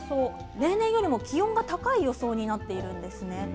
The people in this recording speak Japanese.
例年よりも気温が高い予想になっているんですね。